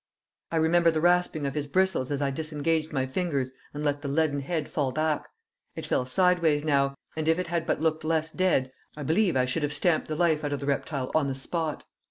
I remember the rasping of his bristles as I disengaged my fingers and let the leaden head fall back; it fell sideways now, and if it had but looked less dead I believe I should have stamped the life out of the reptile on the spot.